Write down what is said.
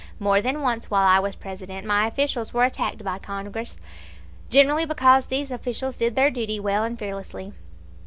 More than once while I was President my officials were attacked by Congress, generally because these officials did their duty well and fearlessly.